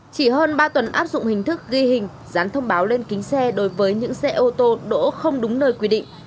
chỉ hơn ba tuần áp dụng hình thức ghi hình dán thông báo lên kính xe đối với những xe ô tô đỗ không đúng nơi quy định